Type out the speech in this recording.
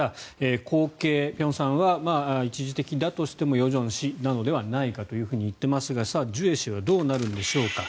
後継、辺さんは一時的だとしても与正氏なのではないかと言っていますがジュエ氏はどうなるんでしょうか。